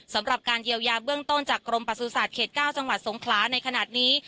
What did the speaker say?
สำหรับการเยียวยาเบื้องต้นจากกรมประสูจน์ศาสตร์เขตเก้าจังหวัดสงคราในขณะนี้